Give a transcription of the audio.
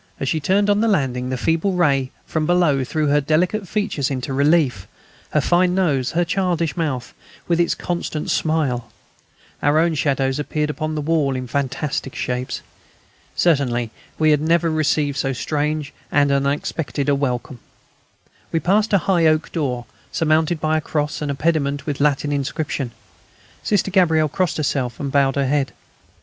As she turned on the landing, the feeble ray from below threw her delicate features into relief: her fine nose, her childish mouth, with its constant smile; our own shadows appeared upon the wall in fantastic shapes. Certainly we had never yet received so strange and unexpected a welcome. We passed a high oak door, surmounted by a cross and a pediment with a Latin inscription. Sister Gabrielle crossed herself and bowed her head.